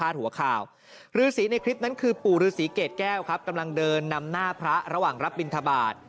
ท่านปู่ฤษีเกดแก้วครับกำลังเดินนำหน้าพระระหว่างรับบินทบาท